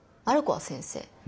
ある子は先生。